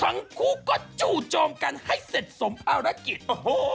ทั้งคู่ก็จู่โจมกันให้เสร็จสมภารกิจ